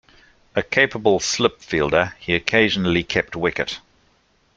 A capable slip fielder, he occasionally kept wicket.